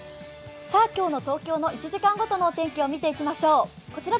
今日の東京の１時間ごとのお天気を見ていきましょう。